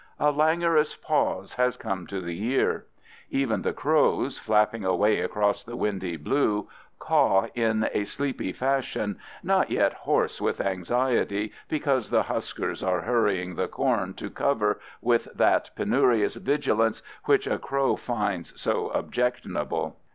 A languorous pause has come to the year. Even the crows, flapping away across the windy blue, caw in a sleepy fashion, not yet hoarse with anxiety because the huskers are hurrying the corn to cover with that penurious vigilance which a crow finds so objectionable.